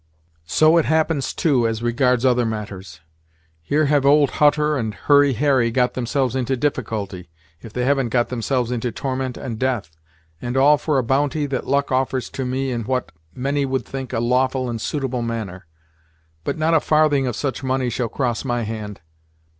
So it happens, too, as regards other matters! Here have old Hutter and Hurry Harry got themselves into difficulty, if they haven't got themselves into torment and death, and all for a bounty that luck offers to me in what many would think a lawful and suitable manner. But not a farthing of such money shall cross my hand.